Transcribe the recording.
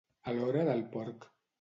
A l'hora del porc.